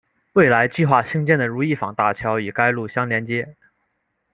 未来计划兴建的如意坊大桥与该路相连接。